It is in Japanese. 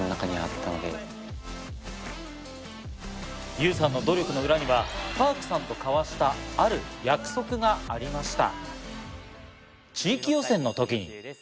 ユウさんの努力の裏にはＰａｒｋさんと交わしたある約束がありました。